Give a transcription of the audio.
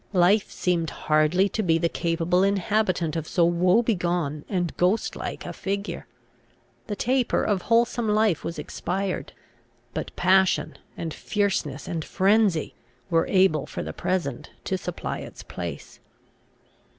Life seemed hardly to be the capable inhabitant of so woe begone and ghost like a figure. The taper of wholesome life was expired; but passion, and fierceness, and frenzy, were able for the present to supply its place.